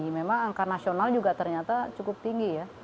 memang angka nasional juga ternyata cukup tinggi ya